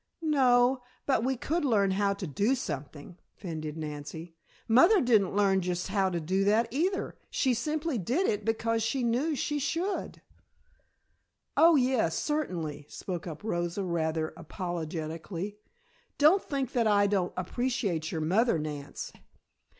"No, but we could learn how to do something," fended Nancy. "Mother didn't learn just how to do that either, she simply did it because she knew she should." "Oh, yes, certainly," spoke up Rosa rather apologetically. "Don't think that I don't appreciate your mother, Nance.